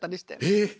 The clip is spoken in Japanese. えっ！